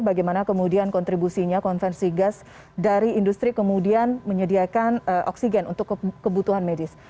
bagaimana kemudian kontribusinya konvensi gas dari industri kemudian menyediakan oksigen untuk kebutuhan medis